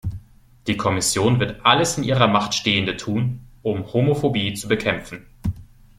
Die Kommission wird alles in ihrer Macht Stehende tun, um Homophobie zu bekämpfen.